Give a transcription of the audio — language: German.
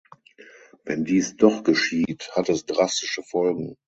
Wenn dies doch geschieht, hat es drastische Folgen.